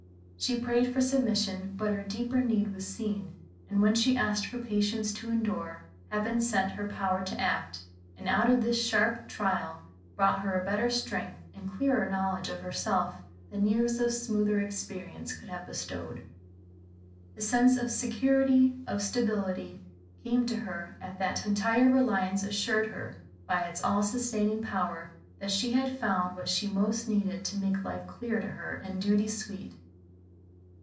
She prayed for submission, but her deeper need was seen, and when she asked for patience to endure, Heaven sent her power to act, and out of this sharp trial brought her a better strength and clearer knowledge of herself than years of smoother experience could have bestowed. A sense of security, of stability, came to her as that entire reliance assured her by its all sustaining power that she had found what she most needed to make life clear to her and duty sweet.